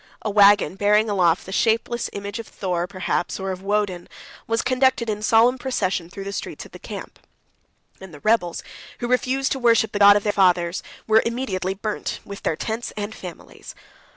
A wagon, bearing aloft the shapeless image of Thor, perhaps, or of Woden, was conducted in solemn procession through the streets of the camp; and the rebels, who refused to worship the god of their fathers, were immediately burnt, with their tents and families.